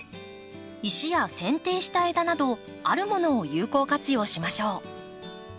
石やせん定した枝などあるものを有効活用しましょう。